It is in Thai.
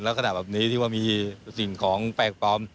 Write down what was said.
ลักษณะแบบนี้ที่ว่ามีสิ่งของแปลกปลอม